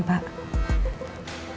pak raymond masih ada dendam